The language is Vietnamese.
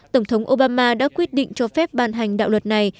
tổng thống obama đã quyết định cho phép ban hành đạo luật này